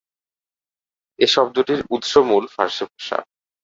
এ শব্দটির উৎস-মূল ফার্সি ভাষা।